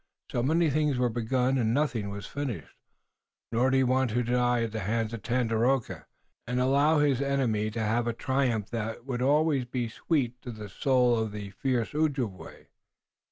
So many things were begun and nothing was finished. Nor did he want to die at the hands of Tandakora, and allow his enemy to have a triumph that would always be sweet to the soul of the fierce Ojibway.